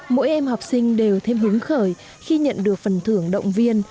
mỗi em học sinh đều thêm hứng khởi khi nhận được phần thưởng động viên